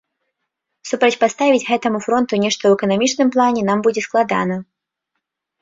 Супрацьпаставіць гэтаму фронту нешта ў эканамічным плане нам будзе складана.